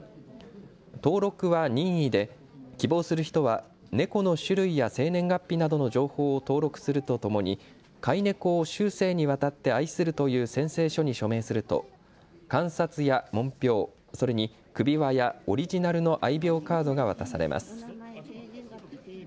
登録は任意で希望する人はネコの種類や生年月日などの情報を登録するとともに飼いネコを終生にわたって愛するという宣誓書に署名すると鑑札や門標、それに首輪やオリジナルの愛猫カードが渡されます。